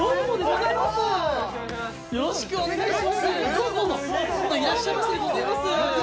どうぞどうぞいらっしゃいませでございます